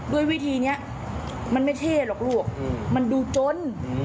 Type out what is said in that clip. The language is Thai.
ด้วยวิธีนี้มันไม่เท่หรอกลูกมันดูจน